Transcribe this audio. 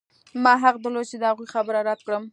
ما حق درلود چې د هغوی خبره رد کړم